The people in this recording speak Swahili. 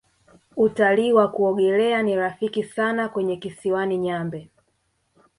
Utalii wa kuogelea ni rafiki sana kwenye kisiwani nyambe